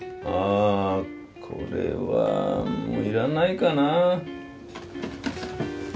あこれはもう要らないかな。